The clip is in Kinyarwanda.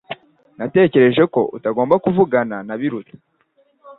Natekereje ko utagomba kuvugana na Biruta